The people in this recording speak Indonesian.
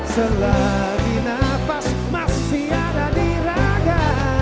selagi nafas masih ada di raga